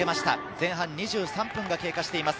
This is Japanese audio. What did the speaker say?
前半２３分が経過しています。